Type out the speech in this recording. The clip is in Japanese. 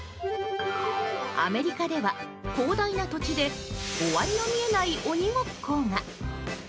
アメリカでは、広大な土地で終わりの見えない鬼ごっこが。